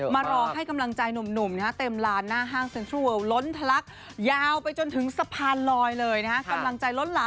มาร้องให้กำลังใจหนุ่มเต็มร้านหน้าห้างเซ็นทรัลเวิล์ว์ล้นทรักยาวไปจนถึงสะพานลอยเลยนะฮะ